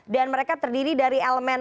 dan mereka terdiri dari elemen